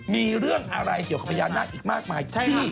มีเรื่องอะไรเกี่ยวกับพญานาคอีกมากมายที่